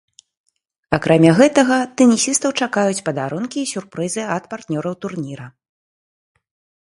Акрамя гэтага, тэнісістаў чакаюць падарункі і сюрпрызы ад партнёраў турніра.